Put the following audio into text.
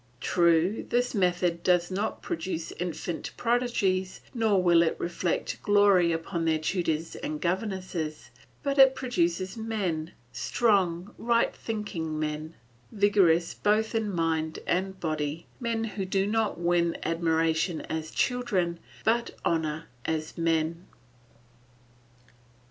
True, this method does not produce infant prodigies, nor will it reflect glory upon their tutors and governesses, but it produces men, strong, right thinking men, vigorous both in mind and body, men who do not win admiration as children, but honour as men.